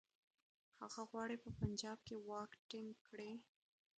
هغه غواړي په پنجاب کې واک ټینګ کړي.